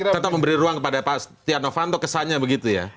tetap memberi ruang kepada pak setia novanto kesannya begitu ya